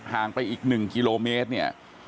ห่างไปอีก๑กิโลเมตรเนี่ย